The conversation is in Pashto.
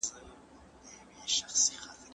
زه پرون کتابتوننۍ سره وم،